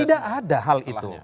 tidak ada hal itu